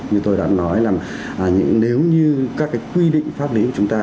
như tôi đã nói là nếu như các cái quy định pháp lý của chúng ta